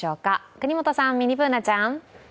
國本さん、ミニＢｏｏｎａちゃん。